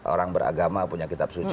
orang beragama punya kitab suci